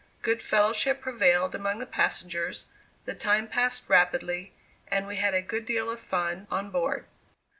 Good fellowship prevailed among the passengers, the time passed rapidly, and we had a good deal of fun on board.